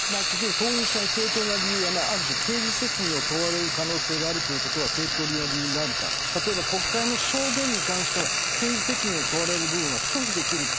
登院しない正当な理由刑事責任を問われる可能性があるということが正当な理由になるか例えば国会の証言に関しては刑事責任を問われる部分は拒否ができる。